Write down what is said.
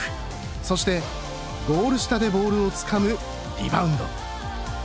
そしてゴール下でボールをつかむリバウンド。